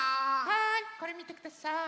はいこれみてください。